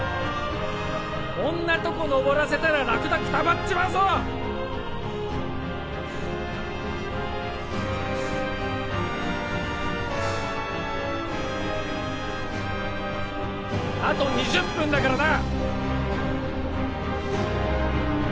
こんなとこのぼらせたらラクダくたばっちまうぞあと２０分だからな！